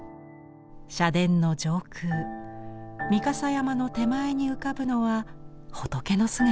社殿の上空御蓋山の手前に浮かぶのは仏の姿。